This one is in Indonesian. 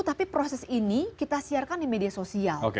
tapi proses ini kita siarkan di media sosial